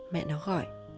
mẹ nó gọi